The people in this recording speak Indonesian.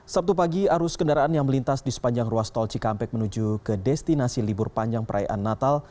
sabtu pagi arus kendaraan yang melintas di sepanjang ruas tol cikampek menuju ke destinasi libur panjang perayaan natal